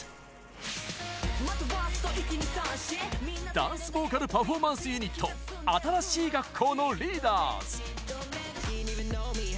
ダンスボーカルパフォーマンスユニット新しい学校のリーダーズ。